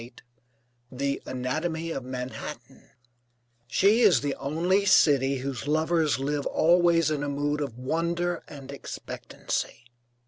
NEW YORK THE ANATOMY OF MANHATTAN She is the only city whose lovers live always in a mood of wonder and expectancy.